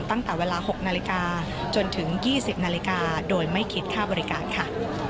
ตั้งแต่เวลา๖นาฬิกาจนถึง๒๐นาฬิกาโดยไม่คิดค่าบริการค่ะ